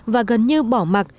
và gần như bỏ mặt